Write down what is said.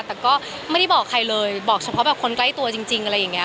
แต่ก็ไม่ได้บอกใครเลยบอกเฉพาะแบบคนใกล้ตัวจริงอะไรอย่างนี้